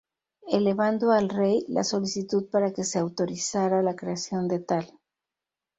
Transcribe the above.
Elevando al Rey la solicitud para que se autorizara la creación de tal.